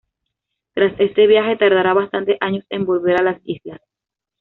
Tras este viaje, tardará bastantes años en volver a las islas.